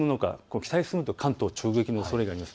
北へ進むと関東直撃のおそれがあります。